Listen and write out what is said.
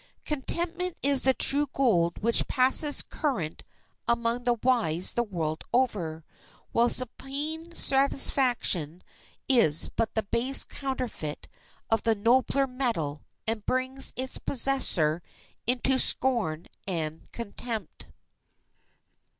Contentment is the true gold which passes current among the wise the world over, while supine satisfaction is but the base counterfeit of the nobler metal, and brings its possessor into scorn and contempt.